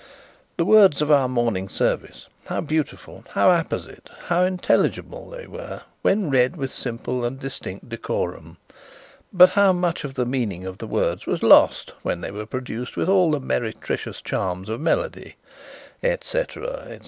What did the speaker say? The words of our morning service, how beautiful, how apposite, how intelligible they were, when read with simple and distinct decorum! But how much of the meaning of the words was lost when they were produced with all the meretricious charms of melody! &c &c.